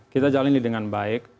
kita jalani dengan baik